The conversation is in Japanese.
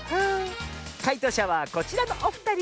かいとうしゃはこちらのおふたり！